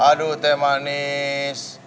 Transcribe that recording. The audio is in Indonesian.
aduh teh manis